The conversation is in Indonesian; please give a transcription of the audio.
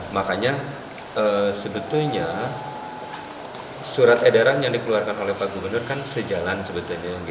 makanya sebetulnya surat edaran yang dikeluarkan oleh pak gubernur kan sejalan sebetulnya